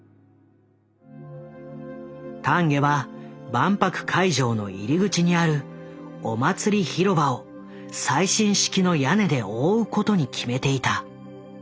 丹下は万博会場の入り口にあるお祭り広場を最新式の屋根で覆うことに決めていた。